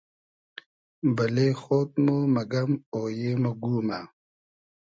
بئلدې خۉد مۉ مئگئم اویې مۉ گومۂ